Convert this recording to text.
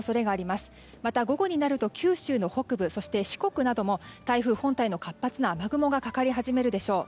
また、午後になると九州の北部そして四国なども台風本体の活発な雨雲がかかり始めるでしょう。